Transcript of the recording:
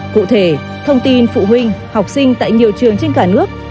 cụ thể thông tin phụ huynh học sinh tại nhiều trường trên cả nước